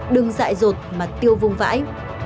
đừng dại rột mà tiêu vung vãi